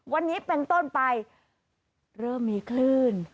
วันนี้เป็นต้นไปเริ่มมีคลื่น